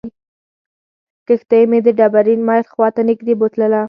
کښتۍ مې د ډبرین میل خواته نږدې بوتلله.